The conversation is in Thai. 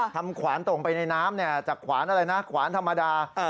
ขวานตรงไปในน้ำจากขวานอะไรนะขวานธรรมดา